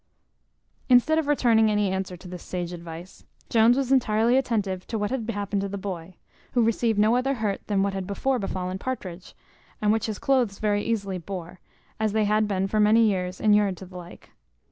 Instead of returning any answer to this sage advice, Jones was entirely attentive to what had happened to the boy, who received no other hurt than what had before befallen Partridge, and which his cloaths very easily bore, as they had been for many years inured to the like.